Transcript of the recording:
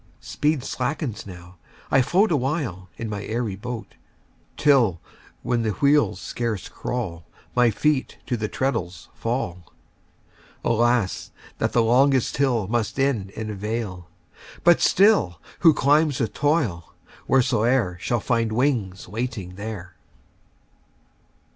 Speed slackens now, I float Awhile in my airy boat; Till, when the wheels scarce crawl, My feet to the treadles fall. 20 Alas, that the longest hill Must end in a vale; but still, Who climbs with toil, wheresoe'er, Shall find wings waiting there.